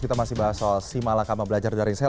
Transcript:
kita masih bahas soal simalakam belajar dari saya